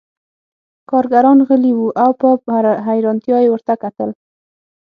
کارګران غلي وو او په حیرانتیا یې ورته کتل